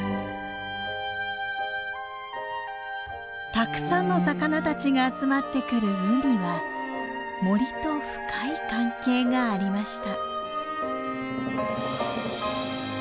たくさんの魚たちが集まってくる海は森と深い関係がありました。